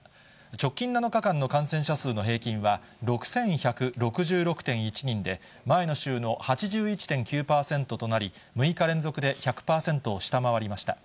直近７日間の感染者数の平均は６１６６．１人で、前の週の８１．９％となり、６日連続で１００％を下回りました。